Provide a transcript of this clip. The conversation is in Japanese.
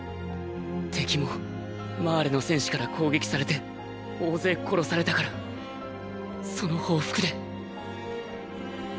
敵もマーレの戦士から攻撃されて大勢殺されたからその報復で。